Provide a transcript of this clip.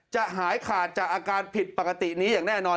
จะหายขาดจากอาการผิดปกตินี้อย่างแน่นอน